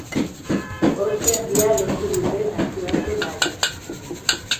Ospe handia lortu dute nazioarte mailan.